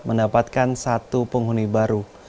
mendapatkan satu penghuni baru